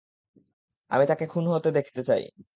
আমি তাকে খুন হতে দেখতে চাই।